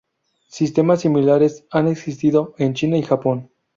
Sistemas similares han existido en China y Japón.